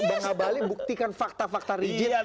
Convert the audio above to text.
bang abalin buktikan fakta fakta rigid